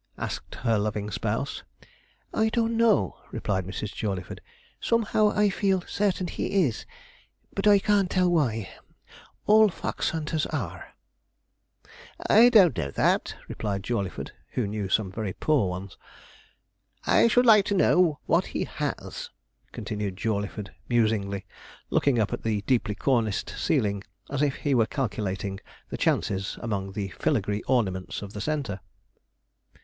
asked her loving spouse. 'I don't know,' replied Mrs. Jawleyford; 'somehow I feel certain he is but I can't tell why all fox hunters are.' 'I don't know that,' replied Jawleyford, who knew some very poor ones. 'I should like to know what he has,' continued Jawleyford musingly, looking up at the deeply corniced ceiling as if he were calculating the chances among the filagree ornaments of the centre.